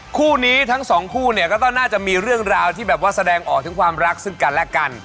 คู่นี้ทั้งสองคู่เนี่ยก็ต้องน่าจะมีเรื่องราวที่แบบว่าแสดงออกถึงความรักซึ่งกันและกัน